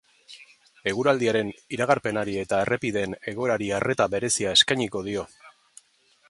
Eguraldiaren iragarpenari eta errepideen egoerari arreta berezia eskainiko dio.